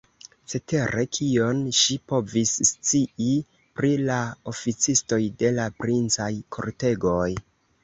Cetere, kion ŝi povis scii pri la oficistoj de la princaj kortegoj!